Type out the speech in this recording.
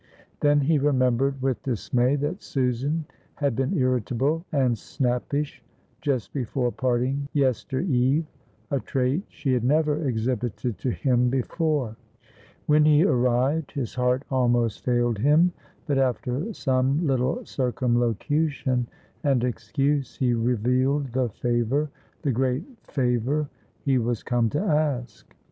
Then he remembered with dismay that Susan had been irritable and snappish just before parting yester eve a trait she had never exhibited to him before. When he arrived, his heart almost failed him, but after some little circumlocution and excuse he revealed the favor, the great favor, he was come to ask.